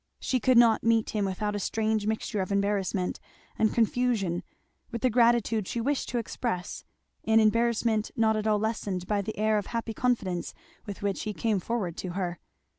She could not meet him without a strange mixture of embarrassment and confusion with the gratitude she wished to express, an embarrassment not at all lessened by the air of happy confidence with which he came forward to her.